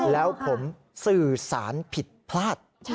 แล้วผมสื่อสารผิดพลาด